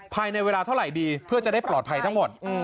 ภายในเวลาเท่าไหร่ดีเพื่อจะได้ปลอดภัยทั้งหมด